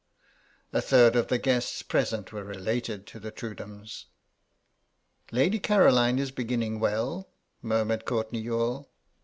A third of the guests present were related to the Trudhams. "Lady Caroline is beginning well," murmured Courtenay Youghal.